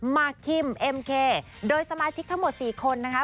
มาร์คิมเอ็มเคโดยสมาชิกทั้งหมด๔คนนะคะ